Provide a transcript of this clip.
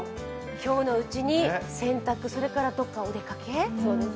今日のうちに洗濯、それからどこかへお出かけ。